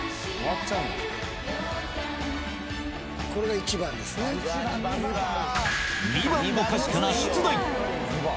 これが１番ですねうわ